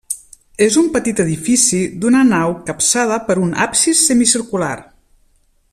És un petit edifici d'una nau capçada per un absis semicircular.